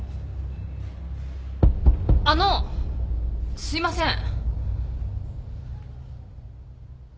あのすいません。